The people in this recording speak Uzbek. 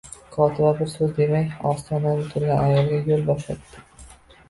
Kotiba bir so`z demay ostonada turgan ayolga yo`l bo`shatdi